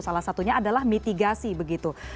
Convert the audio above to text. salah satunya adalah mitigasi begitu